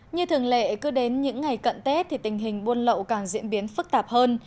như thường lệ cứ đến những ngày cận tết thì tình hình buôn lậu càng diễn biến phức tạp hơn